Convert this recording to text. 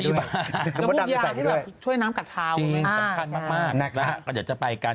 แล้วมุมยาที่ช่วยน้ำกัดเท้าจริงสำคัญมากแล้วก็จะไปกัน